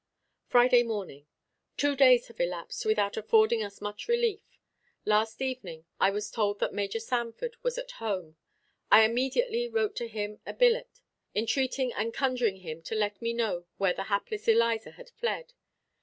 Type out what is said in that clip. Friday morning. Two days have elapsed without affording us much relief. Last evening, I was told that Major Sanford was at home. I immediately wrote him a billet, entreating and conjuring him to let me know where the hapless Eliza had fled.